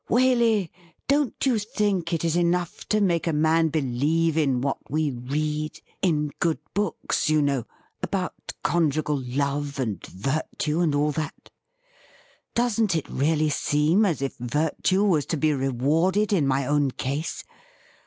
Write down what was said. Waley, don't you think it is enough to make a man believe in what we read, in good books, you know, about conjugal love, and virtue, and all that.? Doesn't it really seem as if virtue was to be rewarded in my own case